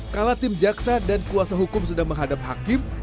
kala tim jaksa dan kuasa hukum sudah menghadap hakim